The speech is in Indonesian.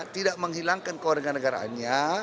tidak menghilangkan kewarganegaraannya